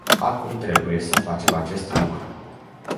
Acum trebuie să facem acest lucru.